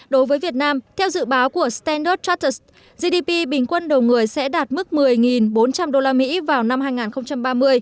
đối với việt nam theo dự báo của standard charter gdp bình quân đầu người sẽ đạt mức một mươi bốn trăm linh usd vào năm hai nghìn ba mươi